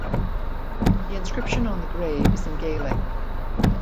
The inscription on the grave is in Gaelic.